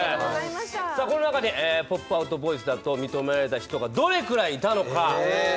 この中でポップアウトボイスだと認められた人がどれくらいいたのか。